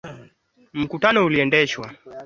akitokea chama hichohicho cha Chamacha mapinduzi